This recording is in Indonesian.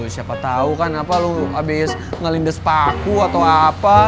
siapa tahu kan apa lo abis ngelindes paku atau apa